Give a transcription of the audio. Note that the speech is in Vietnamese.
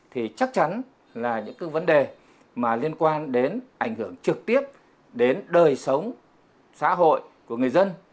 thì chắc chắn là những cái vấn đề mà liên quan đến ảnh hưởng trực tiếp đến đời sống xã hội của người dân